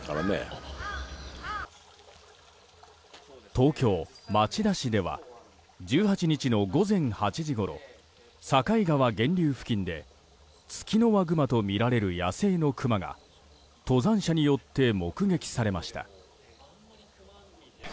東京・町田市では１８日の午前８時ごろ境川源流付近でツキノワグマとみられる野生のクマが登山者によって目撃されました。